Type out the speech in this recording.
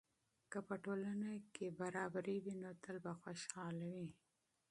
که په ټولنه کې انصاف وي، نو تل به خوشحاله وي.